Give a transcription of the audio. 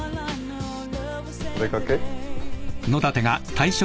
お出掛け？